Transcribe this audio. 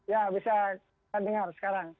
ya bisa kita dengar sekarang